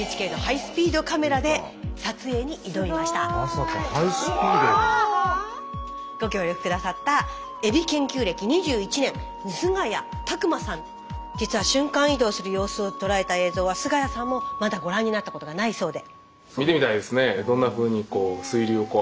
うわあ！ご協力下さったエビ研究歴２１年実は瞬間移動する様子を捉えた映像は菅谷さんもまだご覧になったことがないそうで。